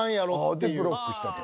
でブロックしたと。